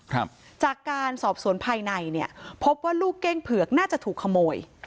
ครับจากการสอบสวนภายในเนี่ยพบว่าลูกเก้งเผือกน่าจะถูกขโมย